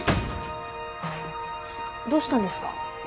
どうしたんですか？